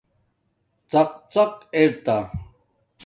ڎڎق ارتا